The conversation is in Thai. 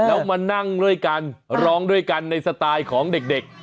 แล้วมานั่งด้วยกันร้องด้วยกันในสไตล์ของเด็ก